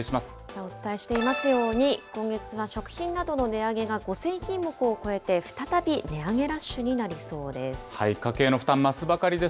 お伝えしていますように、今月は食品などの値上げが５０００品目を超えて、再び値上げラッシュになりそうです。